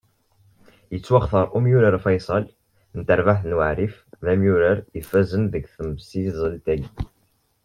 Yettwaxtar umyurar Cebbaḥ Fayṣel, n terbaɛt n Weɛfir, d amyurar ifazen deg temsizzelt-agi.